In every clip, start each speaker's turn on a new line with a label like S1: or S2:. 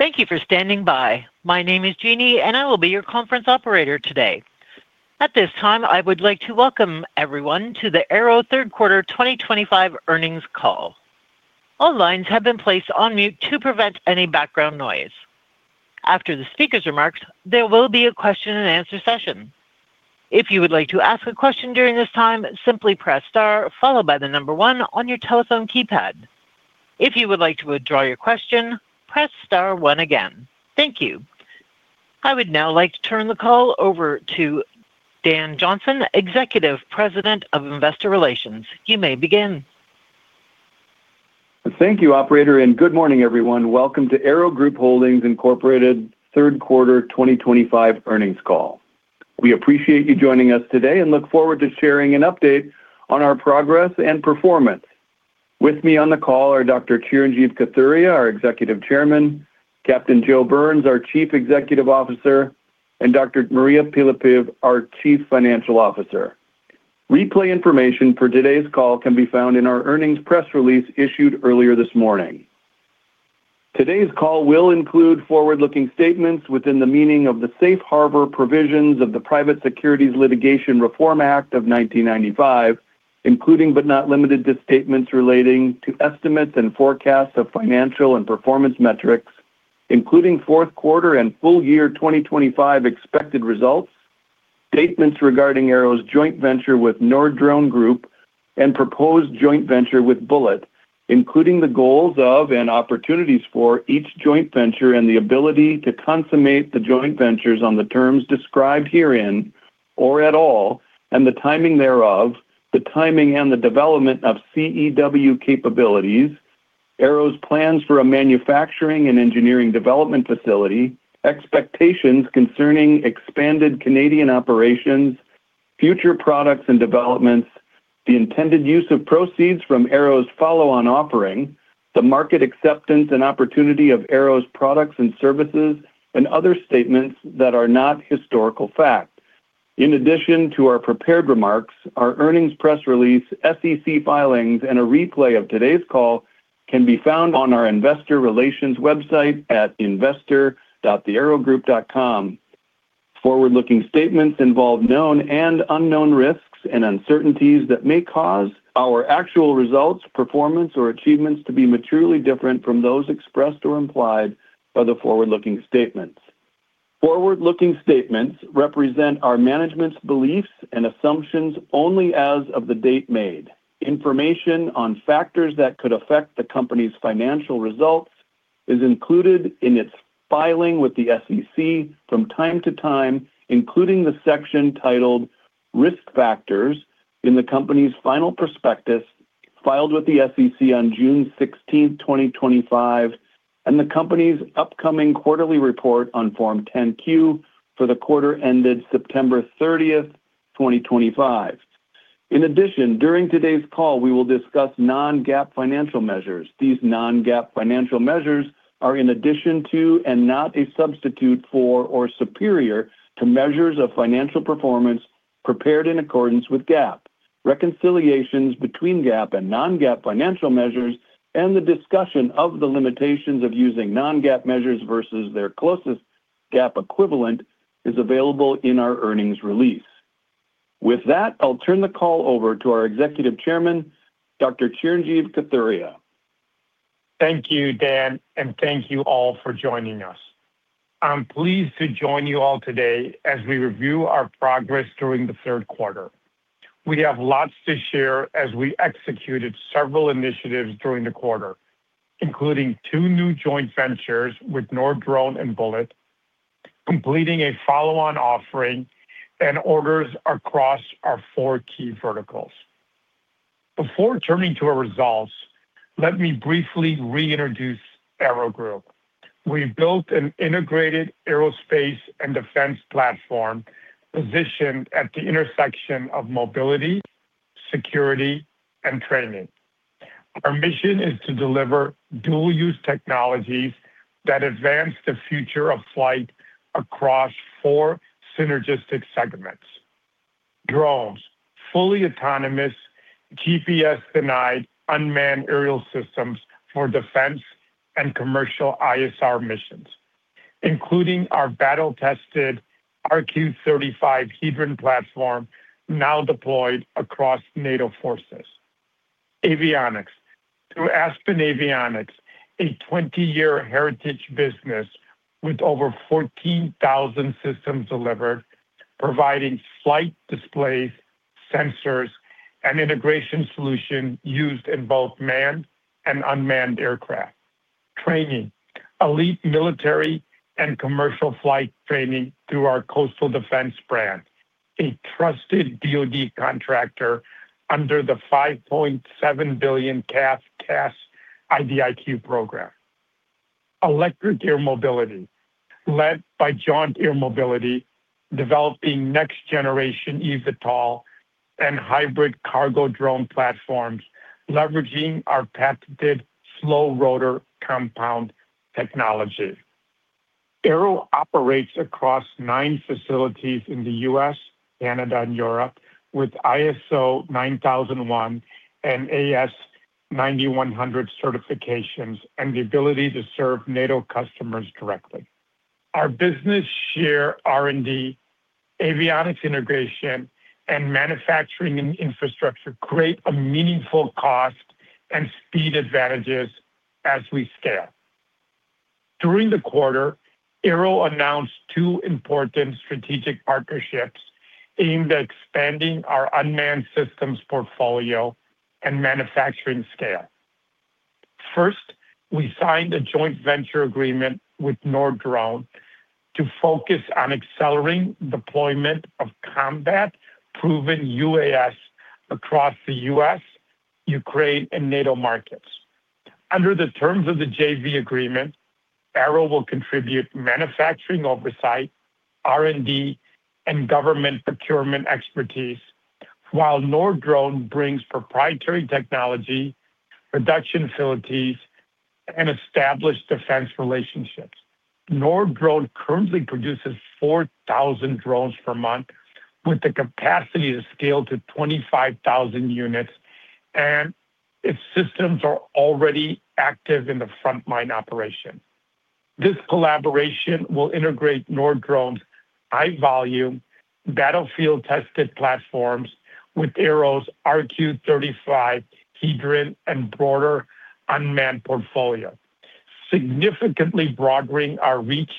S1: Thank you for standing by. My name is Jeannie, and I will be your conference operator today. At this time, I would like to welcome everyone to the AIRO third quarter 2025 earnings call. All lines have been placed on mute to prevent any background noise. After the speaker's remarks, there will be a question-and-answer session. If you would like to ask a question during this time, simply press star, followed by the number one on your telephone keypad. If you would like to withdraw your question, press star one again. Thank you. I would now like to turn the call over to Dan Johnson, Executive President of Investor Relations. You may begin.
S2: Thank you, Operator, and good morning, everyone. Welcome to AIRO Group Holdings Inc third quarter 2025 earnings call. We appreciate you joining us today and look forward to sharing an update on our progress and performance. With me on the call are Dr. Chirinjeev Kathuria, our Executive Chairman, Captain Joe Burns, our Chief Executive Officer, and Dr. Mariya Pylypiv, our Chief Financial Officer. Replay information for today's call can be found in our earnings press release issued earlier this morning. Today's call will include forward-looking statements within the meaning of the Safe Harbor provisions of the Private Securities Litigation Reform Act of 1995, including but not limited to statements relating to estimates and forecasts of financial and performance metrics, including fourth quarter and full year 2025 expected results, statements regarding AIRO's joint venture with Nord-Drone Group, and proposed joint venture with Bullet, including the goals of and opportunities for each joint venture and the ability to consummate the joint ventures on the terms described herein or at all, and the timing thereof, the timing and the development of CEW capabilities, AIRO's plans for a manufacturing and engineering development facility, expectations concerning expanded Canadian operations, future products and developments, the intended use of proceeds from AIRO's follow-on offering, the market acceptance and opportunity of AIRO's products and services, and other statements that are not historical fact. In addition to our prepared remarks, our earnings press release, SEC filings, and a replay of today's call can be found on our Investor Relations website at investor.theaerogroup.com. Forward-looking statements involve known and unknown risks and uncertainties that may cause our actual results, performance, or achievements to be materially different from those expressed or implied by the forward-looking statements. Forward-looking statements represent our management's beliefs and assumptions only as of the date made. Information on factors that could affect the company's financial results is included in its filing with the SEC from time to time, including the section titled Risk Factors in the company's final prospectus filed with the SEC on June 16, 2025, and the company's upcoming quarterly report on Form 10-Q for the quarter ended September 30th, 2025. In addition, during today's call, we will discuss non-GAAP financial measures. These non-GAAP financial measures are in addition to and not a substitute for or superior to measures of financial performance prepared in accordance with GAAP. Reconciliations between GAAP and non-GAAP financial measures and the discussion of the limitations of using non-GAAP measures versus their closest GAAP equivalent is available in our earnings release. With that, I'll turn the call over to our Executive Chairman, Dr. Chirinjeev Kathuria.
S3: Thank you, Dan, and thank you all for joining us. I'm pleased to join you all today as we review our progress during the third quarter. We have lots to share as we executed several initiatives during the quarter, including two new joint ventures with Nord-Drone and Bullet, completing a follow-on offering, and orders across our four key verticals. Before turning to our results, let me briefly reintroduce AIRO Group. We built an integrated aerospace and defense platform positioned at the intersection of mobility, security, and training. Our mission is to deliver dual-use technologies that advance the future of flight across four synergistic segments: drones, fully autonomous, GPS-denied, unmanned aerial systems for defense and commercial ISR missions, including our battle-tested RQ-35 Heidrun platform now deployed across NATO forces. Avionics, through Aspen Avionics, a 20-year heritage business with over 14,000 systems delivered, providing flight displays, sensors, and integration solutions used in both manned and unmanned aircraft. Training, elite military and commercial flight training through our Coastal Defense brand, a trusted DoD contractor under the $5.7 billion CAF CAS IDIQ program. Electric Air Mobility, led by Jaunt Air Mobility, developing next-generation eVTOL and hybrid cargo drone platforms, leveraging our patented slow rotor compound technology. AIRO operates across nine facilities in the U.S., Canada, and Europe, with ISO 9001 and AS9100 certifications and the ability to serve NATO customers directly. Our business share R&D, Avionics integration, and manufacturing and infrastructure create a meaningful cost and speed advantages as we scale. During the quarter, AIRO announced two important strategic partnerships aimed at expanding our unmanned systems portfolio and manufacturing scale. First, we signed a joint venture agreement with Nord-Drone to focus on accelerating deployment of combat-proven UAS across the U.S., Ukraine, and NATO markets. Under the terms of the JV agreement, AIRO will contribute manufacturing oversight, R&D, and government procurement expertise, while Nord-Drone brings proprietary technology, production facilities, and established defense relationships. Nord-Drone currently produces 4,000 drones per month, with the capacity to scale to 25,000 units, and its systems are already active in the frontline operation. This collaboration will integrate Nord-Drone's high-volume, battlefield-tested platforms with AIRO's RQ-35 Heidrun and broader unmanned portfolio, significantly broadening our reach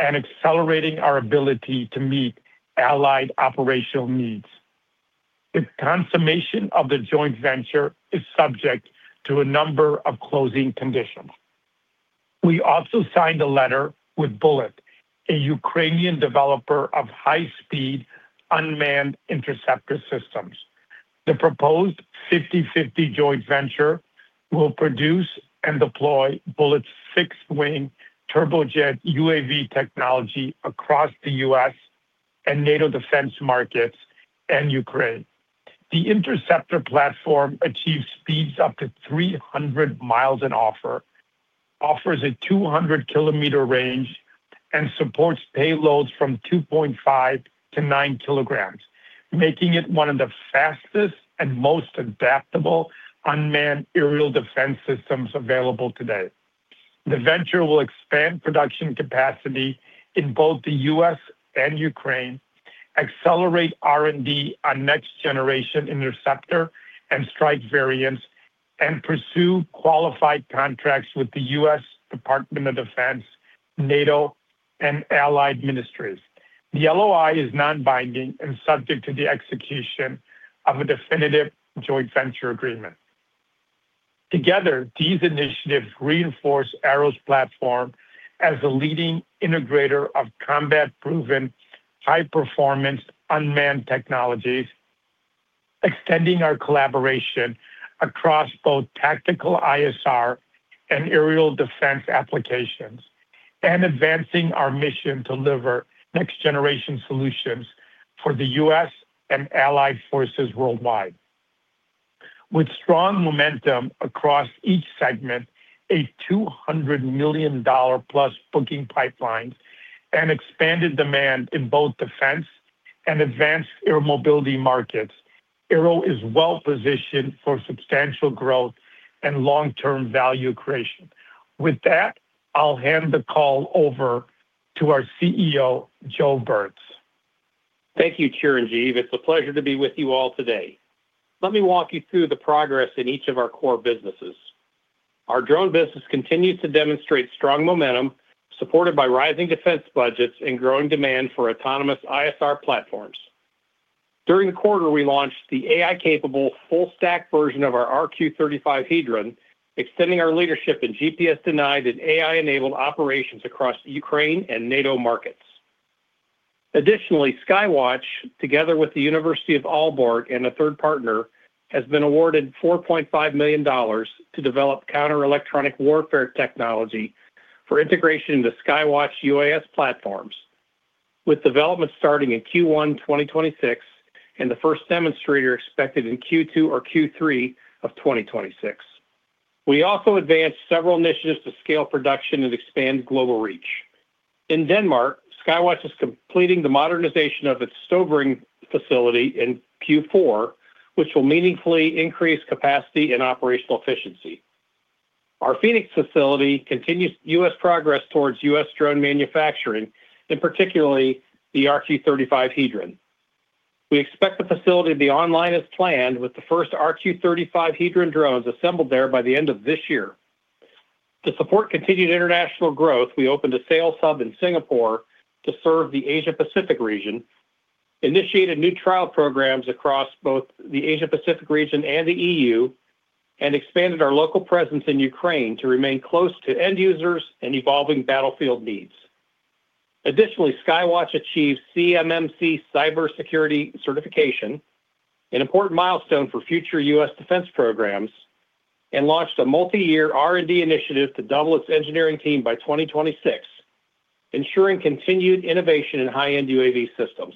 S3: and accelerating our ability to meet allied operational needs. The consummation of the joint venture is subject to a number of closing conditions. We also signed a letter with Bullet, a Ukrainian developer of high-speed unmanned interceptor systems. The proposed 50/50 joint venture will produce and deploy Bullet's six-wing turbojet UAV technology across the U.S. and NATO defense markets and Ukraine. The interceptor platform achieves speeds up to 300 mi an hour, offers a 200 km range, and supports payloads from 2.5 kg-9 kg, making it one of the fastest and most adaptable unmanned aerial defense systems available today. The venture will expand production capacity in both the U.S. and Ukraine, accelerate R&D on next-generation interceptor and strike variants, and pursue qualified contracts with the US Department of Defense, NATO, and allied ministries. The LOI is non-binding and subject to the execution of a definitive joint venture agreement. Together, these initiatives reinforce AIRO's platform as a leading integrator of combat-proven high-performance unmanned technologies, extending our collaboration across both tactical ISR and aerial defense applications, and advancing our mission to deliver next-generation solutions for the U.S. and allied forces worldwide. With strong momentum across each segment, a $200+ million booking pipeline, and expanded demand in both defense and advanced air mobility markets, AIRO is well-positioned for substantial growth and long-term value creation. With that, I'll hand the call over to our CEO, Joe Burns.
S4: Thank you, Chirinjeev. It's a pleasure to be with you all today. Let me walk you through the progress in each of our core businesses. Our Drone business continues to demonstrate strong momentum, supported by rising defense budgets and growing demand for autonomous ISR platforms. During the quarter, we launched the AI-capable full-stack version of our RQ-35 Heidrun, extending our leadership in GPS-denied and AI-enabled operations across Ukraine and NATO markets. Additionally, Sky-Watch, together with the University of Aalborg and a third partner, has been awarded $4.5 million to develop counter-electronic warfare technology for integration into Sky-Watch UAS platforms, with development starting in Q1 2026 and the first demonstrator expected in Q2 or Q3 of 2026. We also advanced several initiatives to scale production and expand global reach. In Denmark, Sky-Watch is completing the modernization of its Støvring facility in Q4, which will meaningfully increase capacity and operational efficiency. Our Phoenix facility continues U.S. progress towards U.S. drone manufacturing, and particularly the RQ-35 Heidrun. We expect the facility to be online as planned, with the first RQ-35 Heidrun drones assembled there by the end of this year. To support continued international growth, we opened a sales hub in Singapore to serve the Asia-Pacific region, initiated new trial programs across both the Asia-Pacific region and the EU, and expanded our local presence in Ukraine to remain close to end users and evolving battlefield needs. Additionally, Sky-Watch achieved CMMC cybersecurity certification, an important milestone for future U.S. defense programs, and launched a multi-year R&D initiative to double its engineering team by 2026, ensuring continued innovation in high-end UAV systems.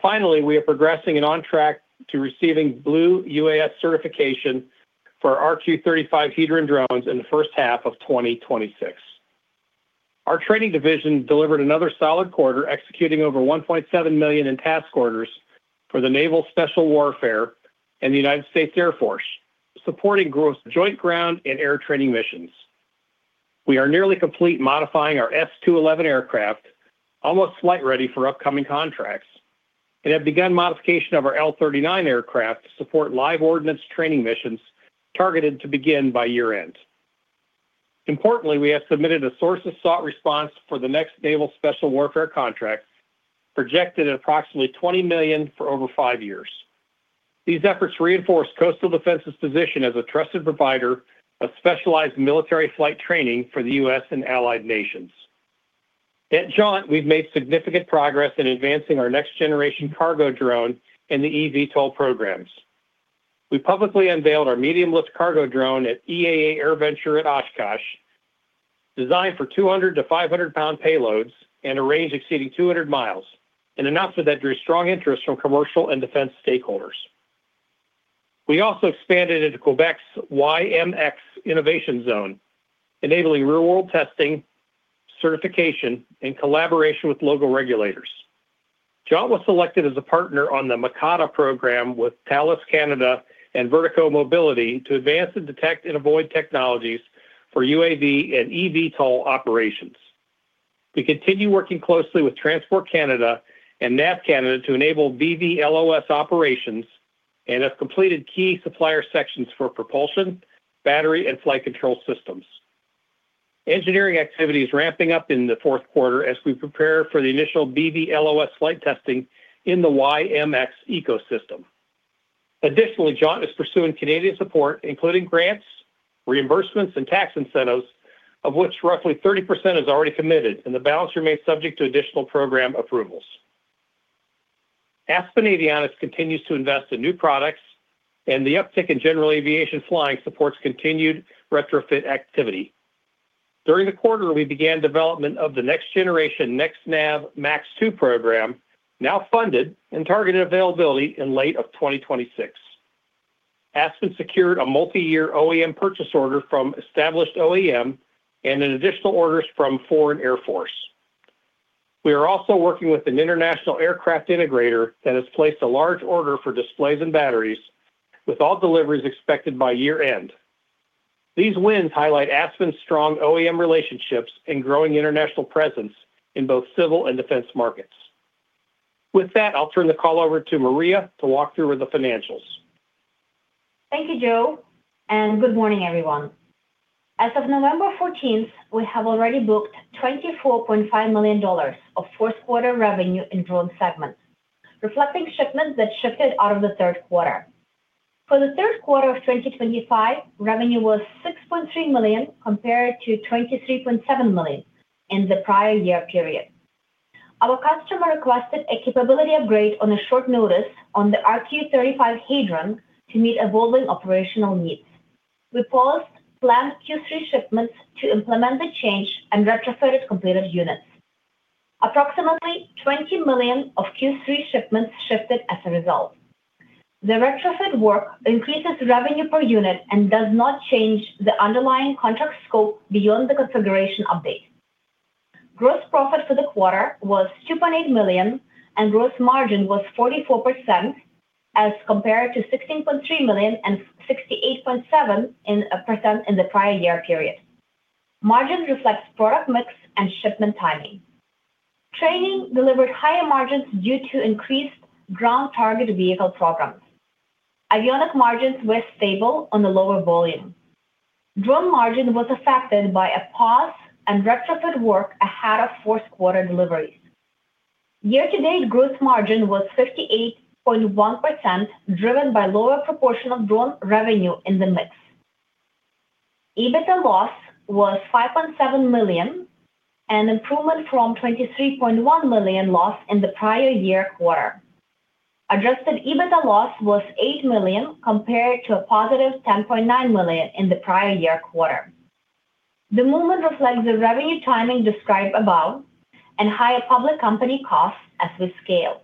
S4: Finally, we are progressing and on track to receiving Blue UAS certification for RQ-35 Heidrun drones in the first half of 2026. Our Training division delivered another solid quarter, executing over $1.7 million in task orders for the Naval Special Warfare and the United States Air Force, supporting growth of joint ground and air training missions. We are nearly complete modifying our S-211 aircraft, almost flight-ready for upcoming contracts, and have begun modification of our L-39 aircraft to support live ordnance training missions targeted to begin by year-end. Importantly, we have submitted a source-of-thought response for the next Naval Special Warfare contract, projected at approximately $20 million for over five years. These efforts reinforce Coastal Defense's position as a trusted provider of specialized military flight training for the U.S. and allied nations. At Jaunt, we've made significant progress in advancing our next-generation cargo drone and the eVTOL programs. We publicly unveiled our medium-lift cargo drone at EAA AirVenture at Oshkosh, designed for 200 lbs-500 lbs payloads and a range exceeding 200 mi, and enough for that to be a strong interest from commercial and defense stakeholders. We also expanded into Quebec's YMX innovation zone, enabling real-world testing, certification, and collaboration with local regulators. Jaunt was selected as a partner on the MACADA program with Thales Canada and Vertiko Mobilité to advance and detect and avoid technologies for UAV and eVTOL operations. We continue working closely with Transport Canada and NAV Canada to enable BVLOS operations and have completed key supplier selections for propulsion, battery, and flight control systems. Engineering activity is ramping up in the fourth quarter as we prepare for the initial BVLOS flight testing in the YMX ecosystem. Additionally, Jaunt is pursuing Canadian support, including grants, reimbursements, and tax incentives, of which roughly 30% is already committed, and the balance remains subject to additional program approvals. Aspen Avionics continues to invest in new products, and the uptick in general aviation flying supports continued retrofit activity. During the quarter, we began development of the next-generation NexNav MAX 2 program, now funded and targeted availability in late 2026. Aspen secured a multi-year OEM purchase order from established OEM and an additional order from foreign air force. We are also working with an international aircraft integrator that has placed a large order for displays and batteries, with all deliveries expected by year-end. These wins highlight Aspen's strong OEM relationships and growing international presence in both civil and defense markets. With that, I'll turn the call over to Mariya to walk through with the financials.
S5: Thank you, Joe, and good morning, everyone. As of November 14, we have already booked $24.5 million of fourth-quarter revenue in drone segments, reflecting shipments that shifted out of the third quarter. For the third quarter of 2025, revenue was $6.3 million compared to $23.7 million in the prior year period. Our customer requested a capability upgrade on a short notice on the RQ-35 Heidrun to meet evolving operational needs. We paused planned Q3 shipments to implement the change and retrofitted completed units. Approximately $20 million of Q3 shipments shifted as a result. The retrofit work increases revenue per unit and does not change the underlying contract scope beyond the configuration update. Gross profit for the quarter was $2.8 million, and gross margin was 44% as compared to $16.3 million and 68.7% in the prior year period. Margin reflects product mix and shipment timing. Training delivered higher margins due to increased ground-target vehicle programs. Avionic margins were stable on the lower volume. Drone margin was affected by a pause and retrofit work ahead of fourth-quarter deliveries. Year-to-date gross margin was 58.1%, driven by a lower proportion of Drone revenue in the mix. EBITDA loss was $5.7 million, an improvement from $23.1 million loss in the prior year quarter. Adjusted EBITDA loss was $8 million compared to a +$10.9 million in the prior year quarter. The movement reflects the revenue timing described above and higher public company costs as we scale.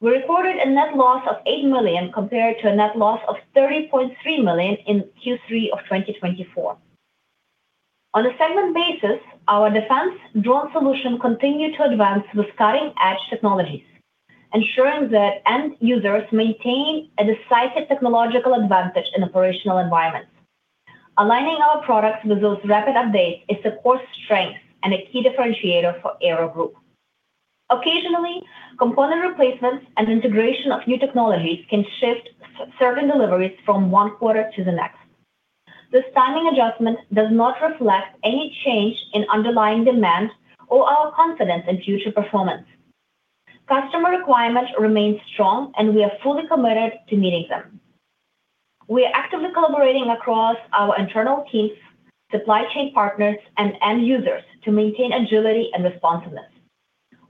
S5: We recorded a net loss of $8 million compared to a net loss of $30.3 million in Q3 of 2024. On a segment basis, our defense drone solution continued to advance with cutting-edge technologies, ensuring that end users maintain a decisive technological advantage in operational environments. Aligning our products with those rapid updates is a core strength and a key differentiator for AIRO Group. Occasionally, component replacements and integration of new technologies can shift certain deliveries from one quarter to the next. This timing adjustment does not reflect any change in underlying demand or our confidence in future performance. Customer requirements remain strong, and we are fully committed to meeting them. We are actively collaborating across our internal teams, supply chain partners, and end users to maintain agility and responsiveness.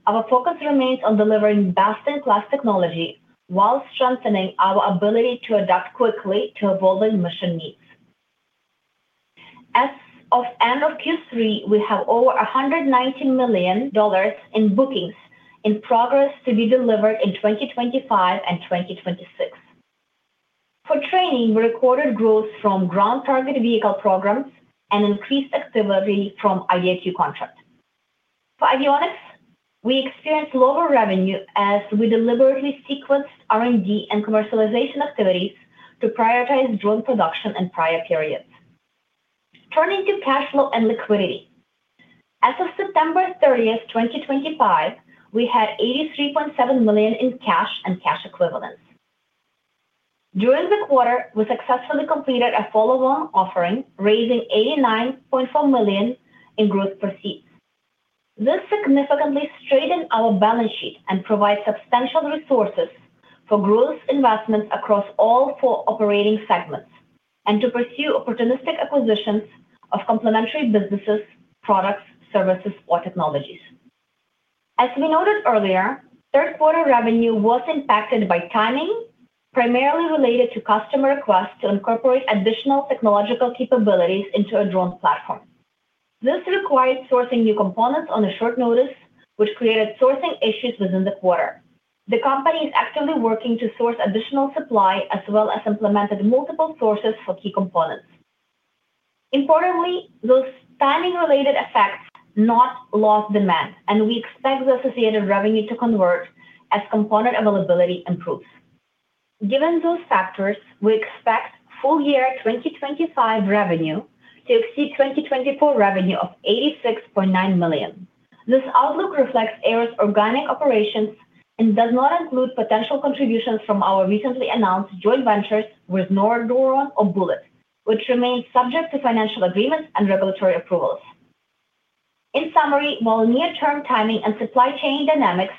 S5: Our focus remains on delivering best-in-class technology while strengthening our ability to adapt quickly to evolving mission needs. As of end of Q3, we have over $190 million in bookings in progress to be delivered in 2025 and 2026. For Training, we recorded growth from ground-target vehicle programs and increased activity from IDIQ contracts. For Avionics, we experienced lower revenue as we deliberately sequenced R&D and commercialization activities to prioritize drone production in prior periods. Turning to cash flow and liquidity. As of September 30th, 2025, we had $83.7 million in cash and cash equivalents. During the quarter, we successfully completed a follow-on offering, raising $89.4 million in gross proceeds. This significantly strengthened our balance sheet and provides substantial resources for growth investments across all four operating segments and to pursue opportunistic acquisitions of complementary businesses, products, services, or technologies. As we noted earlier, third-quarter revenue was impacted by timing, primarily related to customer requests to incorporate additional technological capabilities into a drone platform. This required sourcing new components on short notice, which created sourcing issues within the quarter. The company is actively working to source additional supply, as well as implemented multiple sources for key components. Importantly, those timing-related effects are not lost demand, and we expect the associated revenue to convert as component availability improves. Given those factors, we expect full year 2025 revenue to exceed 2024 revenue of $86.9 million. This outlook reflects AIRO's organic operations and does not include potential contributions from our recently announced joint ventures with Nord-Drone or Bullet, which remain subject to financial agreements and regulatory approvals. In summary, while near-term timing and supply chain dynamics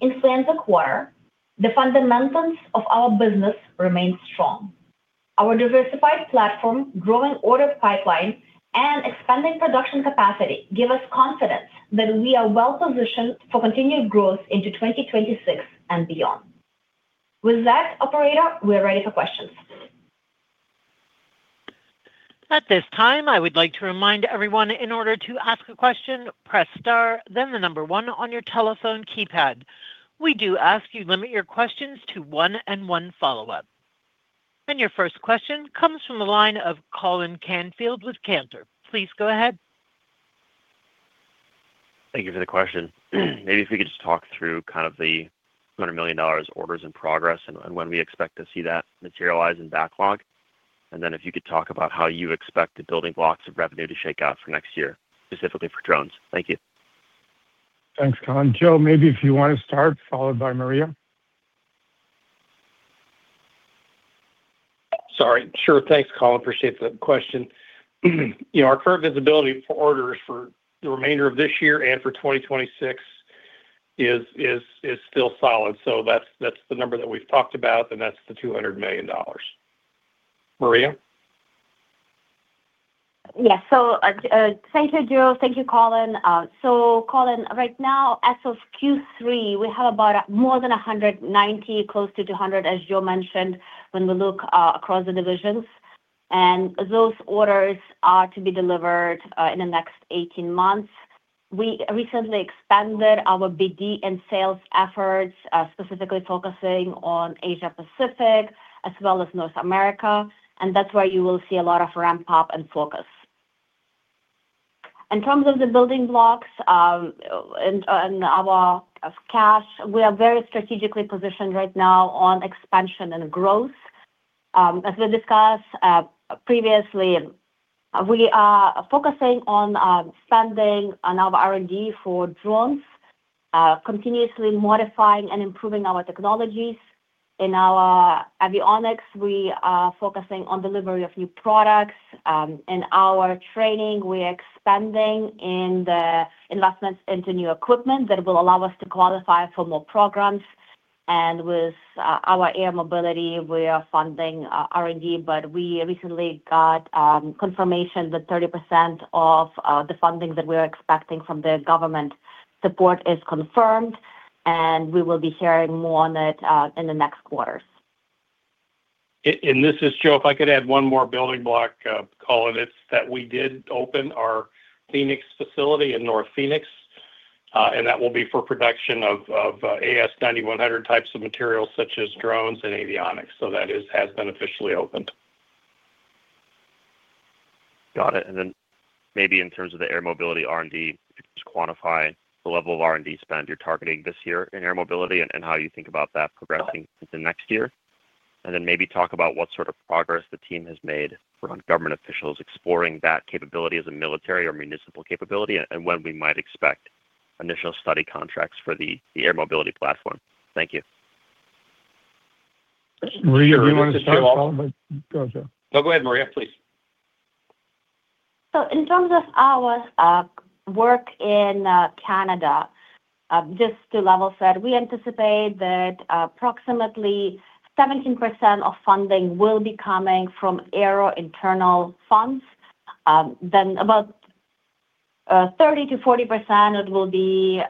S5: influence the quarter, the fundamentals of our business remain strong. Our diversified platform, growing order pipeline, and expanding production capacity give us confidence that we are well-positioned for continued growth into 2026 and beyond. With that, operator, we are ready for questions.
S1: At this time, I would like to remind everyone, in order to ask a question, press star, then the number one on your telephone keypad. We do ask you to limit your questions to one and one follow-up. Your first question comes from the line of Colin Canfield with Cantor. Please go ahead.
S6: Thank you for the question. Maybe if we could just talk through kind of the $200 million orders in progress and when we expect to see that materialize in backlog. If you could talk about how you expect the building blocks of revenue to shake out for next year, specifically for drones. Thank you.
S3: Thanks, Colin. Joe, maybe if you want to start, followed by Maria.
S4: Sorry. Sure. Thanks, Colin. Appreciate the question. Our current visibility for orders for the remainder of this year and for 2026 is still solid. That's the number that we've talked about, and that's the $200 million. Maria?
S5: Yes. Thank you, Joe. Thank you, Colin. Colin, right now, as of Q3, we have about more than $190 million, close to $200 million, as Joe mentioned, when we look across the divisions. Those orders are to be delivered in the next 18 months. We recently expanded our BD and sales efforts, specifically focusing on Asia-Pacific as well as North America. That is where you will see a lot of ramp-up and focus. In terms of the building blocks and our cash, we are very strategically positioned right now on expansion and growth. As we discussed previously, we are focusing on spending on our R&D for drones, continuously modifying and improving our technologies. In our Avionics, we are focusing on delivery of new products. In our training, we are expanding in the investments into new equipment that will allow us to qualify for more programs. With our air mobility, we are funding R&D, but we recently got confirmation that 30% of the funding that we are expecting from the government support is confirmed, and we will be hearing more on it in the next quarters.
S4: This is Joe. If I could add one more building block, Colin, it's that we did open our Phoenix facility in North Phoenix, and that will be for production of AS9100 types of materials such as drones and avionics. That has been officially opened.
S6: Got it. Maybe in terms of the Air Mobility R&D, just quantify the level of R&D spend you are targeting this year in Air Mobility and how you think about that progressing into next year. Maybe talk about what sort of progress the team has made around government officials exploring that capability as a military or municipal capability and when we might expect initial study contracts for the Air Mobility platform. Thank you.
S3: Maria, do you want to start off?
S4: Go ahead, Mariya, please.
S5: In terms of our work in Canada, just to level set, we anticipate that approximately 17% of funding will be coming from AIRO internal funds. Then about 30%-40% will be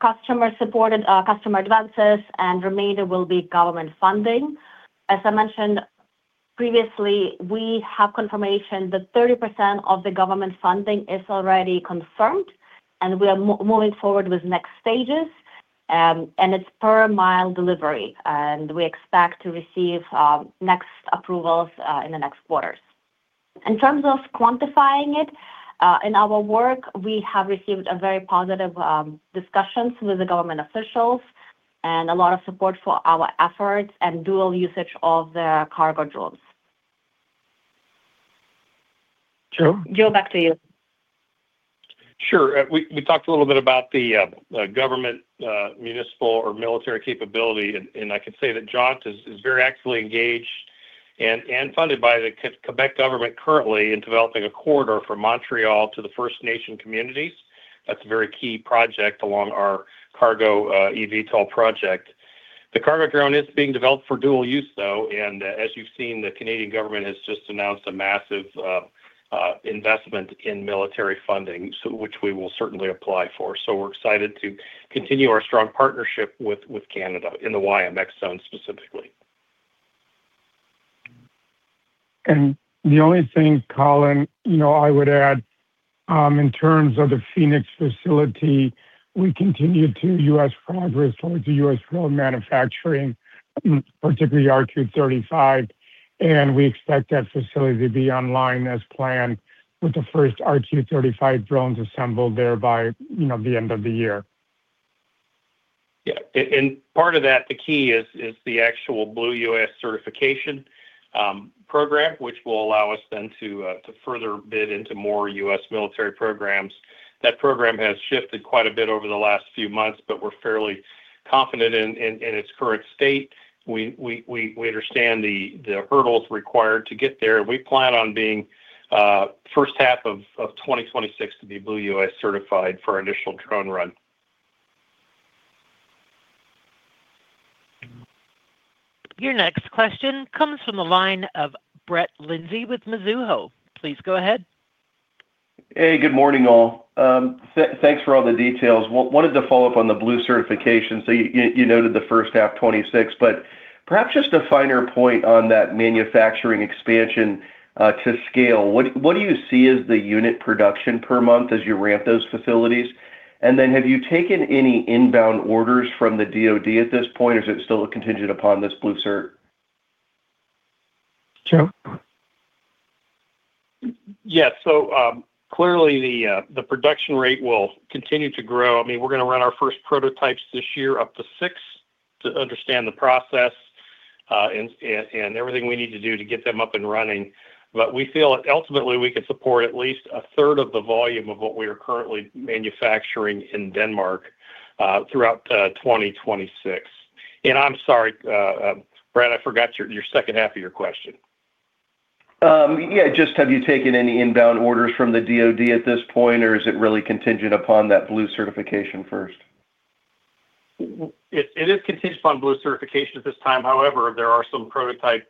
S5: customer-supported customer advances, and the remainder will be government funding. As I mentioned previously, we have confirmation that 30% of the government funding is already confirmed, and we are moving forward with next stages, and it is per mile delivery. We expect to receive next approvals in the next quarters. In terms of quantifying it, in our work, we have received very positive discussions with the government officials and a lot of support for our efforts and dual usage of the cargo drones.
S3: Joe?
S5: Joe, back to you.
S4: Sure. We talked a little bit about the government, municipal, or military capability, and I can say that Jaunt is very actively engaged and funded by the Quebec government currently in developing a corridor from Montreal to the First Nation communities. That is a very key project along our cargo eVTOL project. The cargo drone is being developed for dual use, though, and as you have seen, the Canadian government has just announced a massive investment in military funding, which we will certainly apply for. We are excited to continue our strong partnership with Canada in the YMX zone specifically.
S3: The only thing, Colin, I would add, in terms of the Phoenix facility, we continue to progress towards the U.S. drone manufacturing, particularly RQ-35, and we expect that facility to be online as planned with the first RQ-35 drones assembled there by the end of the year.
S4: Yeah. And part of that, the key is the actual Blue UAS certification program, which will allow us then to further bid into more U.S. military programs. That program has shifted quite a bit over the last few months, but we're fairly confident in its current state. We understand the hurdles required to get there, and we plan on being first half of 2026 to be Blue UAS certified for our initial drone run.
S1: Your next question comes from the line of Brett Linzey with Mizuho. Please go ahead.
S7: Hey, good morning, all. Thanks for all the details. Wanted to follow up on the Blue certification. You noted the first half, 2026, but perhaps just a finer point on that manufacturing expansion to scale. What do you see as the unit production per month as you ramp those facilities? Have you taken any inbound orders from the DoD at this point, or is it still contingent upon this Blue cert?
S3: Joe?
S4: Yes. So clearly, the production rate will continue to grow. I mean, we're going to run our first prototypes this year, up to six, to understand the process and everything we need to do to get them up and running. We feel that ultimately we can support at least a third of the volume of what we are currently manufacturing in Denmark throughout 2026. I'm sorry, Brett, I forgot your second half of your question.
S7: Yeah. Just have you taken any inbound orders from the DoD at this point, or is it really contingent upon that Blue certification first?
S4: It is contingent upon Blue UAS certification at this time. However, there are some prototype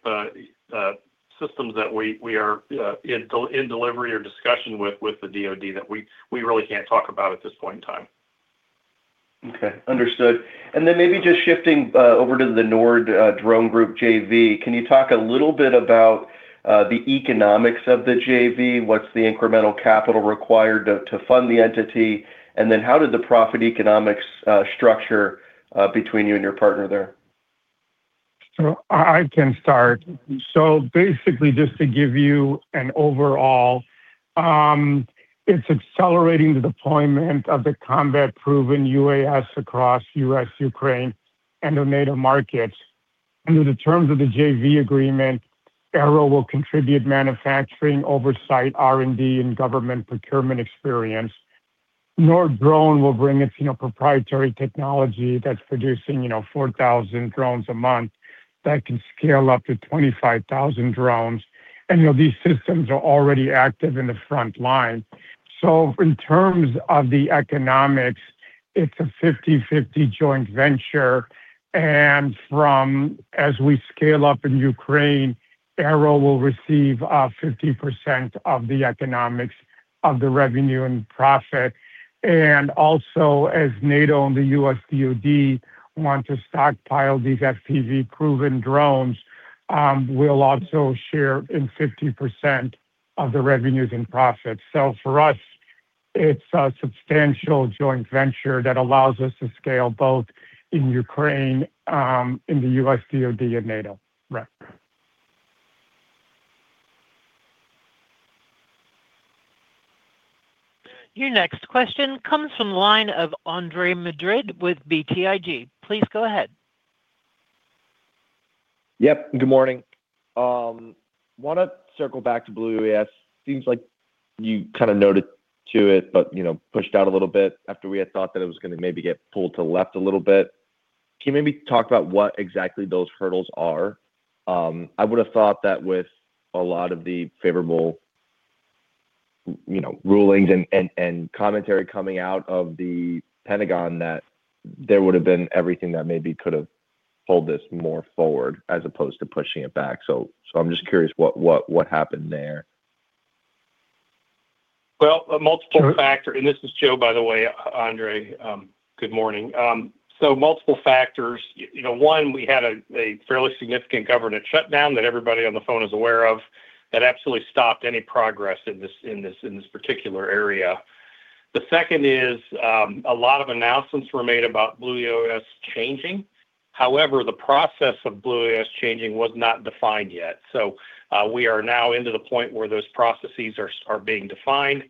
S4: systems that we are in delivery or discussion with the DoD that we really can't talk about at this point in time.
S7: Okay. Understood. Maybe just shifting over to the Nord-Drone Group JV, can you talk a little bit about the economics of the JV? What's the incremental capital required to fund the entity? How do the profit economics structure between you and your partner there?
S3: I can start. Basically, just to give you an overall, it's accelerating the deployment of the combat-proven UAS across the U.S., Ukraine, and the NATO markets. Under the terms of the JV agreement, AIRO will contribute manufacturing, oversight, R&D, and government procurement experience. Nord-Drone will bring its proprietary technology that's producing 4,000 drones a month that can scale up to 25,000 drones. These systems are already active in the front line. In terms of the economics, it's a 50/50 joint venture. As we scale up in Ukraine, AIRO will receive 50% of the economics of the revenue and profit. Also, as NATO and the U.S. DoD want to stockpile these FPV-proven drones, we'll also share in 50% of the revenues and profits. For us, it's a substantial joint venture that allows us to scale both in Ukraine, in the U.S DoD, and NATO. Right.
S1: Your next question comes from the line of Andre Madrid with BTIG. Please go ahead.
S8: Yep. Good morning. Want to circle back to Blue UAS. Seems like you kind of noted to it, but pushed out a little bit after we had thought that it was going to maybe get pulled to the left a little bit. Can you maybe talk about what exactly those hurdles are? I would have thought that with a lot of the favorable rulings and commentary coming out of the Pentagon, that there would have been everything that maybe could have pulled this more forward as opposed to pushing it back. I'm just curious what happened there.
S4: Multiple factors. This is Joe, by the way, Andre. Good morning. Multiple factors. One, we had a fairly significant government shutdown that everybody on the phone is aware of that absolutely stopped any progress in this particular area. The second is a lot of announcements were made about Blue UAS changing. However, the process of Blue UAS changing was not defined yet. We are now into the point where those processes are being defined.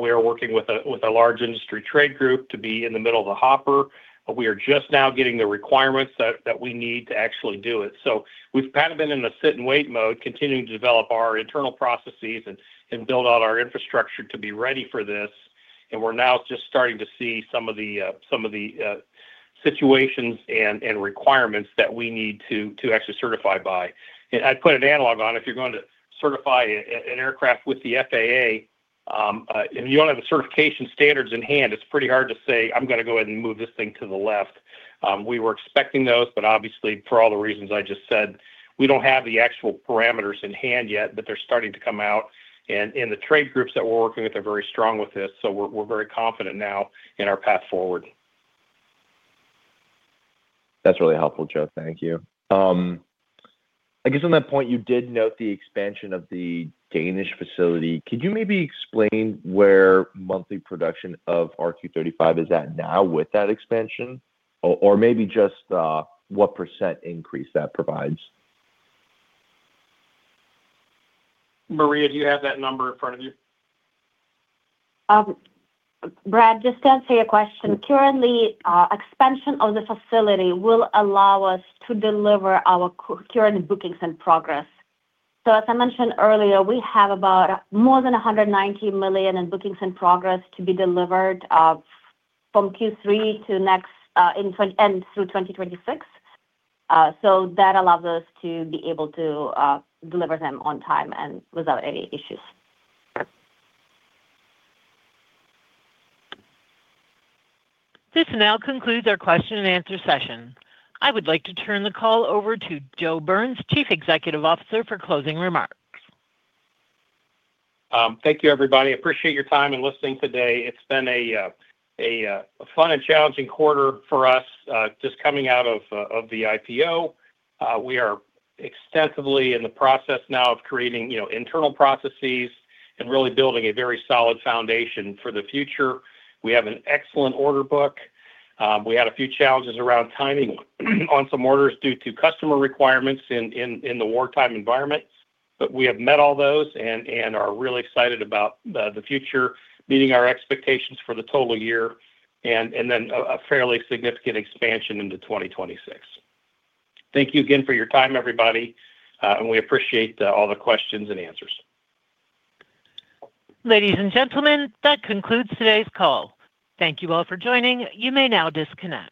S4: We are working with a large industry trade group to be in the middle of the hopper. We are just now getting the requirements that we need to actually do it. We have kind of been in a sit-and-wait mode, continuing to develop our internal processes and build out our infrastructure to be ready for this. We're now just starting to see some of the situations and requirements that we need to actually certify by. I'd put an analog on. If you're going to certify an aircraft with the FAA, if you don't have the certification standards in hand, it's pretty hard to say, "I'm going to go ahead and move this thing to the left." We were expecting those, but obviously, for all the reasons I just said, we don't have the actual parameters in hand yet, but they're starting to come out. The trade groups that we're working with are very strong with this. We're very confident now in our path forward.
S8: That's really helpful, Joe. Thank you. I guess on that point, you did note the expansion of the Danish facility. Could you maybe explain where monthly production of RQ-35 is at now with that expansion, or maybe just what % increase that provides?
S4: Maria, do you have that number in front of you?
S5: Andre, just to answer your question, currently, expansion of the facility will allow us to deliver our current bookings and progress. As I mentioned earlier, we have about more than $190 million in bookings and progress to be delivered from Q3 to end through 2026. That allows us to be able to deliver them on time and without any issues.
S1: This now concludes our question-and-answer session. I would like to turn the call over to Joe Burns, Chief Executive Officer, for closing remarks.
S4: Thank you, everybody. Appreciate your time and listening today. It's been a fun and challenging quarter for us just coming out of the IPO. We are extensively in the process now of creating internal processes and really building a very solid foundation for the future. We have an excellent order book. We had a few challenges around timing on some orders due to customer requirements in the wartime environment, but we have met all those and are really excited about the future meeting our expectations for the total year and then a fairly significant expansion into 2026. Thank you again for your time, everybody, and we appreciate all the questions and answers.
S1: Ladies and gentlemen, that concludes today's call. Thank you all for joining. You may now disconnect.